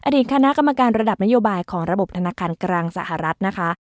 คณะกรรมการระดับนโยบายของระบบธนาคารกลางสหรัฐนะคะ